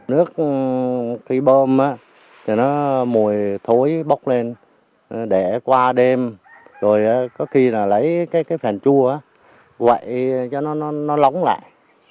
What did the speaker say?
nước khi bơm á thì nó mùi thối bốc lên để qua đêm rồi có khi là lấy cái phèn chua á quậy cho nó lóng lại